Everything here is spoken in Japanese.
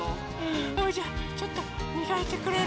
それじゃちょっとみがいてくれる？